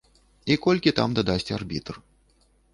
І колькі там дадасць арбітр.